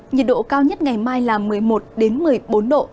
nhiệt độ cao nhất ngày mai là một mươi một một mươi bốn độ